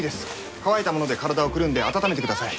乾いたもので体をくるんで温めてください。